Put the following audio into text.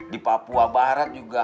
di papua barat juga